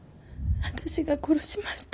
私が殺しました。